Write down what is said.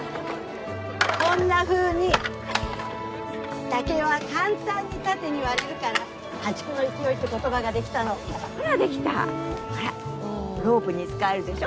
こんなふうに竹は簡単に縦に割れるから「破竹の勢い」って言葉ができたのほらできたほらロープに使えるでしょ？